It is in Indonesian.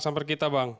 sampai kita bang